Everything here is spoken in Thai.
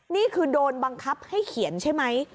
นี่คือโดนบังคับให้เขียนใช่ไหม